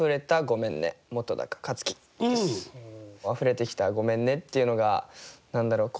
溢れてきた「ごめんね」っていうのが何だろう